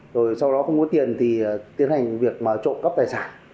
rồi sau đó không có tiền thì tiến hành việc mà trộm cắp tài sản